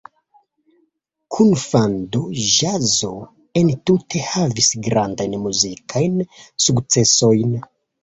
Kunfando-ĵazo entute havis grandajn muzikajn sukcesojn.